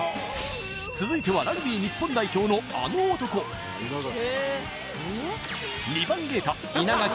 続いてはラグビー日本代表のあの男２番ゲート